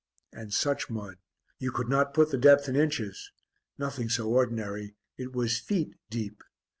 And such mud! You could not put the depth in inches. Nothing so ordinary; it was feet deep.